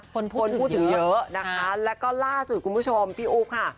คนพูดถึงเยอะนะคะแล้วก็ล่าสุดคุณผู้ชมพี่อุ๊บค่ะ